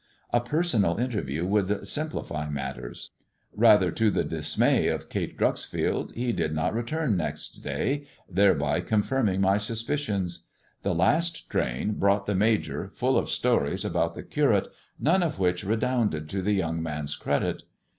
A personal interview would simplify matters. Bather to the dismay of Kate Dreuxfield, he did not return next day, thereby confirming my suspicions. The ;, last train brought the Major, full of stories about the Curate, none of which redounded to the young man's credit.